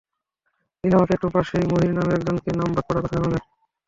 তিনি আমাকে একটু পাশেই মহির নামের একজনের নাম বাদ পড়ার কথা জানালেন।